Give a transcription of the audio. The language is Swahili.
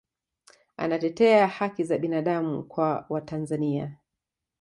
anatetea haki za binadamu kwa watanzania